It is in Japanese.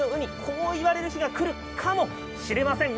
こう言われる日がくるかもしれません。